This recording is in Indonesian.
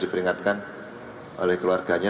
diperingatkan oleh keluarganya